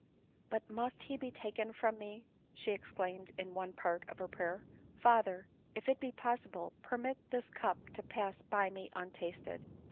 " But must he be taken from me ?" she exclaimed in one part of her prayer. " Father, if it be possible, permit this cup to pass by me untasted."